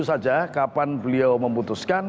saja kapan beliau memutuskan